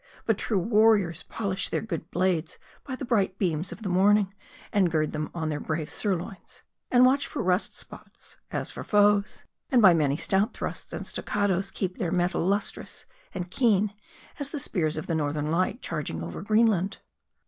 But true warriors polish their good blades by the bright beams of the morning ; and gird them on to their brave sirloins ; and watch for rust spots as for foes ; and by many stout thrusts and stoccadoes keep MARDI. 127 their metal lustrous and keen, as the spears of the Northern Lights charging over Greenland.